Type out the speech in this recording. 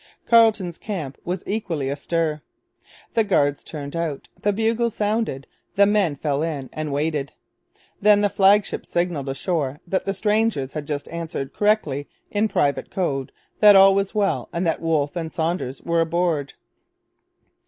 Carleton's camp was equally astir. The guards turned out. The bugles sounded. The men fell in and waited. Then the flag ship signalled ashore that the strangers had just answered correctly in private code that all was well and that Wolfe and Saunders were aboard.